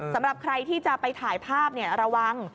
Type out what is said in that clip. สำหรับใครที่จะไปถ่ายภาพระวัง